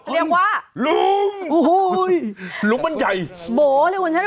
ลุมลุมมันใหญ่โอ้โหลุมมันใหญ่